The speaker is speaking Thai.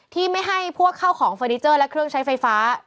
ที่ไม่ให้พวกเข้าของเฟอร์นิเจอร์และเครื่องใช้ไฟฟ้า